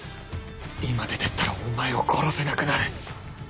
今出てったらお前を殺せなくなる